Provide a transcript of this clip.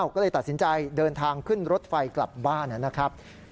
ก็เลยตัดสินใจเดินทางขึ้นรถไฟกลับบ้านนะครับ